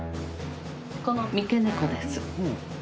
この三毛猫です。